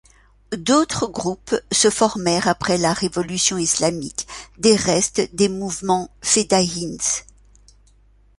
D'autres groupes se formèrent après la Révolution islamique des restes des mouvements fedayins.